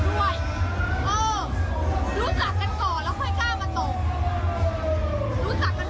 แล้วเรียกไม่ตกค่ะเพราะนี่ไม่ยอม